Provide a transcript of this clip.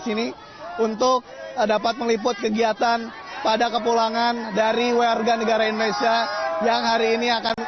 sini untuk dapat meliput kegiatan pada kepulangan dari warga negara indonesia yang hari ini akan